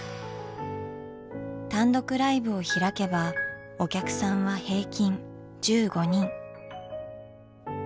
単独ライブを開けばお客さんは平均１５人。